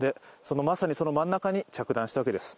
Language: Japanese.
まさにその真ん中に着弾したわけです。